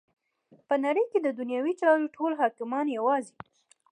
په نړی کی چی ددنیوی چارو ټول حاکمان یواځی